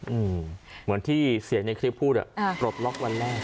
เหมือนที่เสียงในคลิปพูดอ่ะอ่าปลดล็อกวันแรก